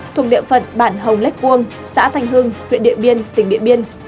thuộc địa phận bản hồng lách quông xã thanh hương huyện điện biên tỉnh điện biên